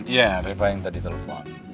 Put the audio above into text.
ya reva yang tadi telepon